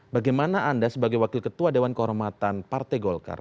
bagaimana anda sebagai wakil ketua dewan kehormatan partai golkar